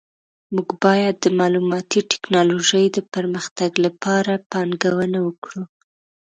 موږ باید د معلوماتي ټکنالوژۍ د پرمختګ لپاره پانګونه وکړو